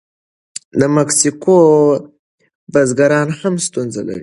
د مکسیکو بزګران هم ستونزې لري.